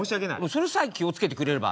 それさえ気を付けてくれれば。